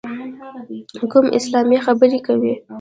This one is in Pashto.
کوم اسلامه خبرې کوې.